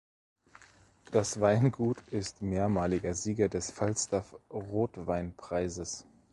Das Weingut ist mehrmaliger Sieger des Falstaff-Rotweinpreises.